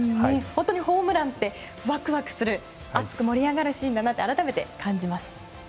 本当にホームランってワクワクする熱く盛り上がるシーンだと改めて感じます。